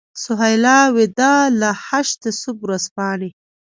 سهیلا وداع له هشت صبح ورځپاڼې.